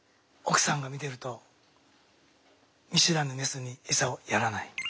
奥さんが見てると見知らぬメスにエサをやらない。